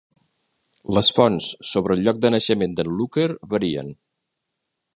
Les fonts sobre el lloc de naixement d'en Looker varien.